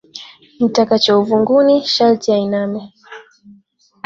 Mtaka cha mvunguni sharti ainame